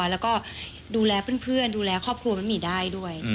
แล้วก็ดูแลเพื่อนดูแลครอบครัวมันมีได้ด้วย